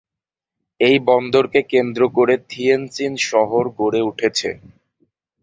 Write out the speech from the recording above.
এই বন্দরকে কেন্দ্র করে থিয়েনচিন শহর গড়ে উঠেছে।